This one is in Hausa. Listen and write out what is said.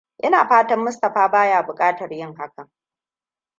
Ina fatan Mustapha baya bukatar yin hakan.